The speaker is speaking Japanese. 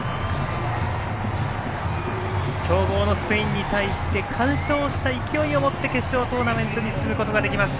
強豪のスペインに対して完勝した勢いを持って決勝トーナメントに進むことができます。